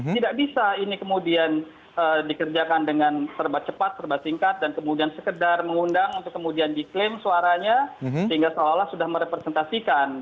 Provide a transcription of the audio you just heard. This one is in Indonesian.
tidak bisa ini kemudian dikerjakan dengan serbat cepat serba singkat dan kemudian sekedar mengundang untuk kemudian diklaim suaranya sehingga seolah olah sudah merepresentasikan